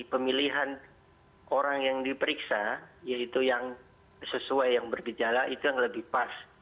pemilihan orang yang diperiksa yaitu yang sesuai yang bergejala itu yang lebih pas